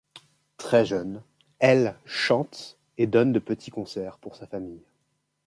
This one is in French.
Très jeune, L chante et donne de petits concerts pour sa famille.